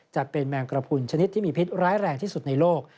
จัดเป็นแมงกระพุนชนิดที่มีพิษร้ายแรงที่สุดในโลก